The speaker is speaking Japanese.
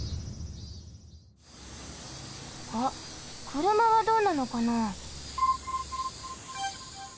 あっくるまはどうなのかな？